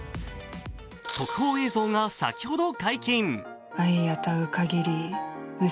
特報映像が先ほど解禁。